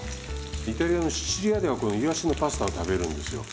イタリアのシチリアではこのイワシのパスタを食べるんですよ。